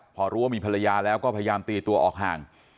พอรู้ว่ามีภรรยาแล้วก็พยายามตีตัวออกห่าง